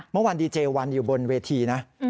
เมื่อวานดีเจวันอยู่บนเวทีนะ